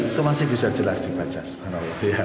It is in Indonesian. itu masih bisa jelas dibaca sebenarnya